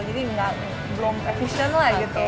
jadi belum efisien lah gitu